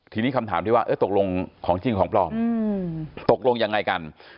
ทีนี้คำถามที่ว่าตกลงของจริงของปลอมตกลงยังไงกัน